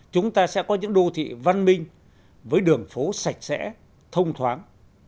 chúng ta sẽ có những đô thị văn minh với đường phố sạch sẽ thông thoáng